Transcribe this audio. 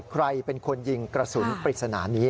ใครเป็นคนยิงกระสุนปริศนานี้